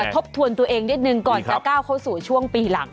ทบทวนตัวเองนิดนึงก่อนจะก้าวเข้าสู่ช่วงปีหลัง